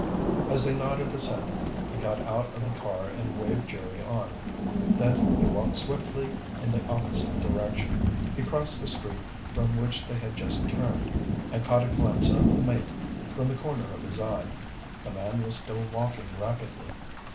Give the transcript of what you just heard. As they nodded assent, he got out of the car and waved Jerry on, then he walked swiftly in the opposite direction. He crossed the street from which they had just turned, and caught a glimpse of the mate from the corner of his eye. The man was still walking rapidly.